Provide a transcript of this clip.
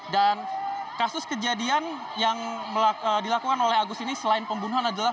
dan kasus kejadian yang dilakukan oleh agus ini selain pembunuhan adalah